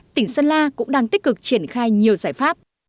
tỉnh sơn la cũng đang tích cực triển khai nhiều giải pháp